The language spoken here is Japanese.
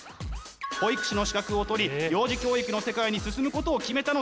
保育士の資格を取り幼児教育の世界に進むことを決めたのです。